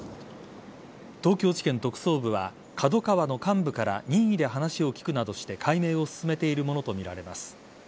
東京地検特捜部はＫＡＤＯＫＡＷＡの幹部から任意で話を聞くなどして解明を進めているものとみられます。